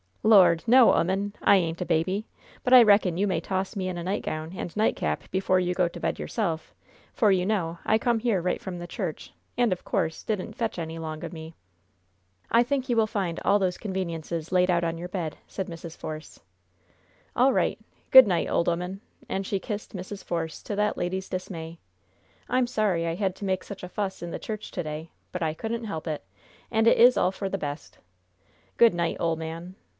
"Lord, no, 'oman! I ain't a baby! But I reckon you may toss me in a nightgown and nightcap before you go to bed yourself, for, you know, I come here right from the church, and, of course, didn't fetch any 'long o' me." "I think you will find all those conveniences laid out on your bed," said Mrs. Force. "All right! Good night, ole 'oman!" And she kissed Mrs. Force, to that lady's dismay. "I'm sorry I had to make such a fuss in the church to day, but I couldn't help it, and it is all for the best. Good night, ole man!